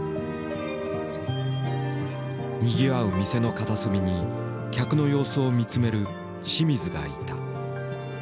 にぎわう店の片隅に客の様子を見つめる清水がいた。